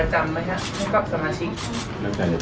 เราเก็บแค่สมาชิกแรกเท่าเหรอฮะ